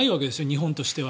日本としては。